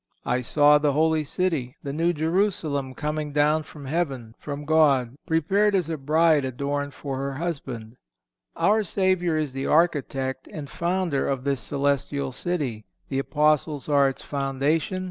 "I saw the holy city, the new Jerusalem, coming down from heaven, from God, prepared as a bride adorned for her husband."(502) Our Savior is the Architect and Founder of this celestial city. The Apostles are its foundation.